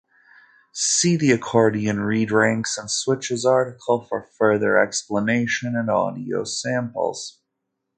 See the accordion reed ranks and switches article for further explanation and audio samples.